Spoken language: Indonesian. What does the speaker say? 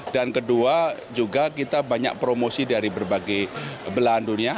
dan kedua juga kita banyak promosi dari berbagai belahan dunia